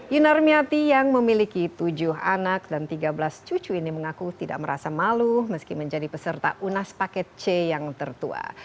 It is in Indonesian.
yunar miati yang memiliki tujuh anak dan tiga belas cucu ini mengaku tidak merasa malu meski menjadi peserta unas paket c yang tertua